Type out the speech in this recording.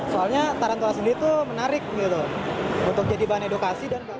soalnya tarantula sendiri itu menarik gitu untuk jadi bahan edukasi